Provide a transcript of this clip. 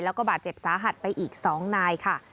แล้วก็บาดเจ็บสาหัสไปอีก๒นายค่ะ